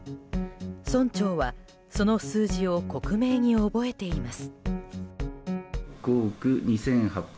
村長はその数字を克明に覚えています。